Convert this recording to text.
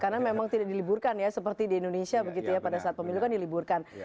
karena memang tidak diliburkan ya seperti di indonesia begitu ya pada saat pemilu kan diliburkan